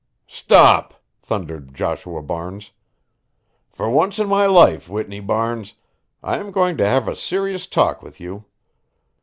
"Stop!" thundered Joshua Barnes. "For once in my life, Whitney Barnes, I am going to have a serious talk with you.